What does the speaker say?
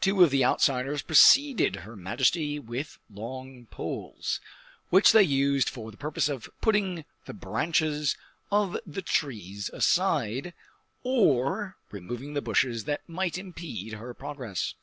Two of the outriders preceded her majesty with long poles, which they used for the purpose of putting the branches of the trees aside, or removing the bushes that might impede her progress.